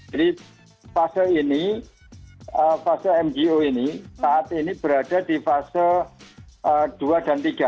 jadi fase ini fase mgo ini saat ini berada di fase dua dan tiga